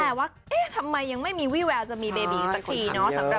แต่ว่าเอ๊ะทำไมยังไม่มีวี่แววจะมีเบบีสักทีเนาะ